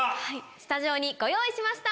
スタジオにご用意しました。